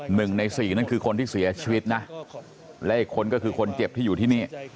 หนึ่งในสี่นั่นคือคนที่เสียชีวิตนะและอีกคนก็คือคนเจ็บที่อยู่ที่นี่